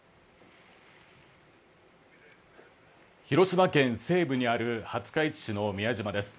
広島県西部にある廿日市市の宮島です。